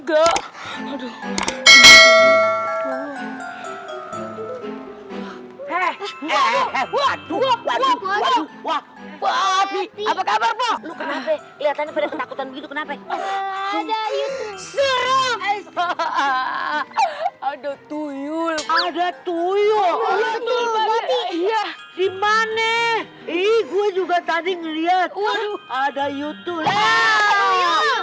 ke atau apa kok ga ada tuyul kisa